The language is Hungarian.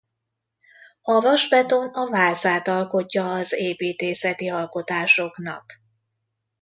A vasbeton a vázát alkotja az építészeti alkotásoknak.